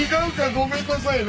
ごめんなさいね。